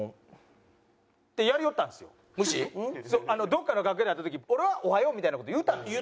どこかの楽屋で会った時俺は「おはよう」みたいな事言うたんですよ。